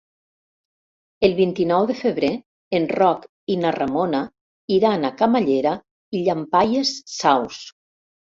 El vint-i-nou de febrer en Roc i na Ramona iran a Camallera i Llampaies Saus.